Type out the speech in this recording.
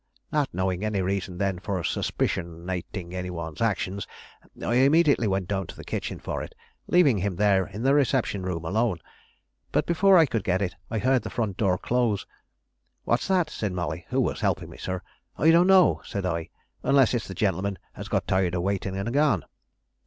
Not knowing any reason then for suspicionating any one's actions, I immediately went down to the kitchen for it, leaving him there in the reception room alone. But before I could get it, I heard the front door close. 'What's that?' said Molly, who was helping me, sir. 'I don't know,' said I, 'unless it's the gentleman has got tired of waiting and gone.